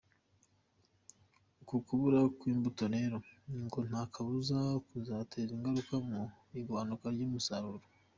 Uku kubura kw’imbuto rero ngo nta kabuza kuzateza ingaruka mu igabanuka ry’umusaruro.